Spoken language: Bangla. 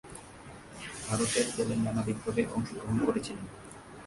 ভারতের তেলেঙ্গানা বিপ্লবে অংশগ্রহণ করেছিলেন।